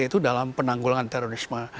bnpt itu dalam penanggulangan terorisme